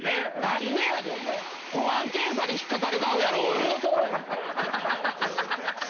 どんな顔やねん⁉